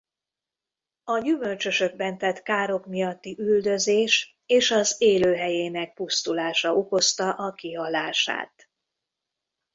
A gyümölcsösökben tett károk miatti üldözés és az élőhelyének pusztulása okozta a kihalását.